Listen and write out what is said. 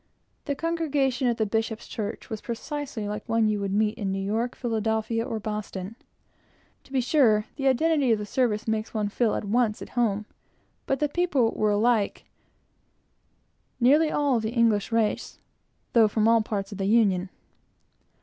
The congregation at the Bishop's church was precisely like one you would meet in New York, Philadelphia, or Boston. To be sure, the identity of the service makes one feel at once at home, but the people were alike, nearly all of the English race, though from all parts of the Union.